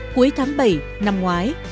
cuối tháng bảy năm ngoái